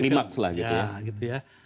ada klimaks lah gitu